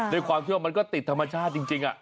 ด้วยความเชื่อว่ามันก็ติดธรรมชาติจริง